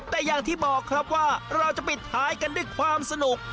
แต่อย่างที่บอกครับว่าเราจะปิดท้ายกันด้วยความสนุก